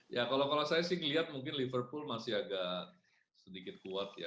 ya kalau saya sih ngeliat mungkin liverpool masih agak sedikit kuat ya